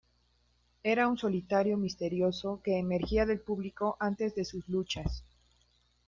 Era un solitario misterioso que emergía del público antes de sus luchas.